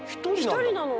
一人なの？